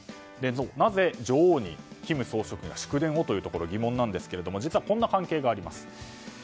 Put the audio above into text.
なぜ女王に金総書記が祝電をというところは疑問なんですけれども実は、こんな関係があります。